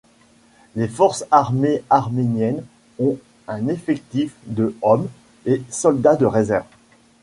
Les Forces armées arméniennes ont un effectif de hommes et soldats de réserve.